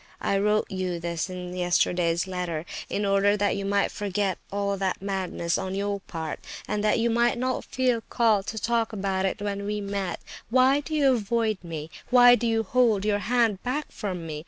I wrote you this in yesterday's letter, in order that you might forget all that madness on your part, and that you might not feel called to talk about it when we met. Why do you avoid me? Why do you hold your hand back from me?